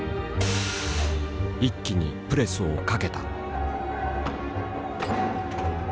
一気にプレスをかけた。